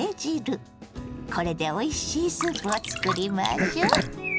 これでおいしいスープを作りましょ。